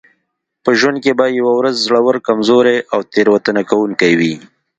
په ژوند کې به یوه ورځ زوړ کمزوری او تېروتنه کوونکی وئ.